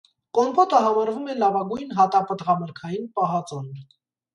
Կոմպոտը համարվում է լավագույն հատապտղամրգային պահածոն։